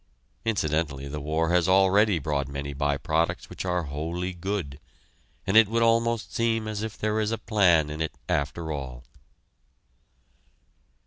Incidentally the war has already brought many by products which are wholly good, and it would almost seem as if there is a plan in it after all.